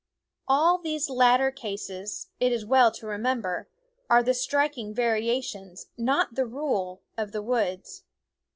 All these latter cases, it is well to remem ber, are the striking variations, not the rule of the woods.